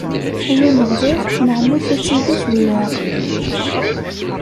Ay Ameɣlal, nneɛma-k ad tili fell-aɣ.